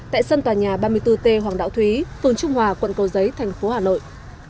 tại sân tòa nhà ba mươi bốn t hoàng đạo thúy phường trung hòa quận cầu giấy thành phố hà nội